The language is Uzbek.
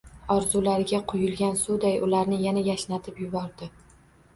Orzulariga quyilgan suvday, ularni yana yashnatib yubordi